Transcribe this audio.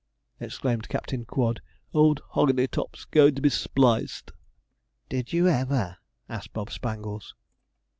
exclaimed Captain Quod. 'Old 'hogany tops goin' to be spliced!' 'Did you ever?' asked Bob Spangles.